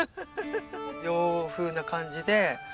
洋風な感じで。